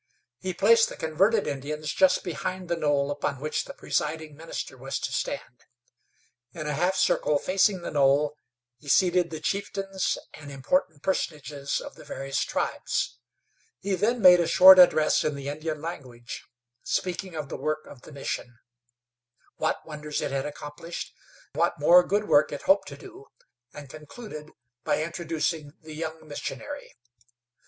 He placed the converted Indians just behind the knoll upon which the presiding minister was to stand. In a half circle facing the knoll he seated the chieftains and important personages of the various tribes. He then made a short address in the Indian language, speaking of the work of the mission, what wonders it had accomplished, what more good work it hoped to do, and concluded by introducing the young missionary.